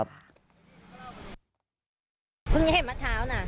พึ่งเห็นมะเท้านะ